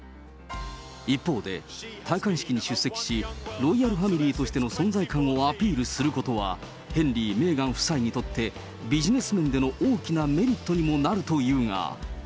一方で、戴冠式に出席し、ロイヤルファミリーとしての存在感をアピールすることは、ヘンリー、メーガン夫妻にとってビジネス面での大きなメリットにもなるというが。